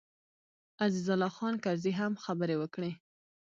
عزیز الله خان کرزي هم خبرې وکړې.